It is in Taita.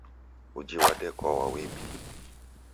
Uji wadekwa wa wimbi